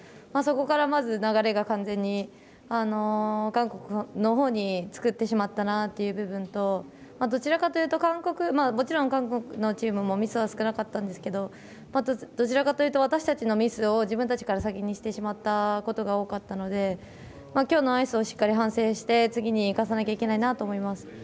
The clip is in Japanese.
そこから、まず流れが完全に韓国のほうに作ってしまったなという部分ともちろん韓国のチームもミスは少なかったんですけどどちらかというと私たちのミスを自分たちから先にしてしまったことが多かったので今日のアイスをしっかり反省して次に生かさなきゃいけないなと思います。